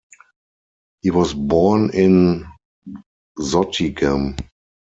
He was born in Zottegem.